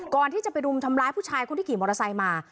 ก่อนที่จะไปรุมทำร้ายผู้ชายคนที่ขี่มอเตอร์ไซค์มา